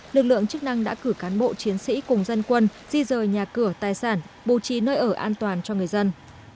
lực lượng chức năng đã cử cán bộ chiến sĩ cùng dân quân di rời nhà cửa tài sản bù trí nơi ở an toàn cho người dân